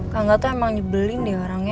kak angga tuh emang nyebelin deh orangnya